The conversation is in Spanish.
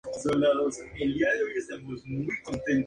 Centeno nació en Buenos Aires.